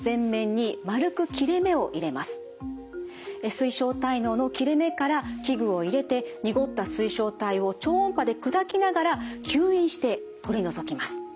水晶体嚢の切れ目から器具を入れて濁った水晶体を超音波で砕きながら吸引して取り除きます。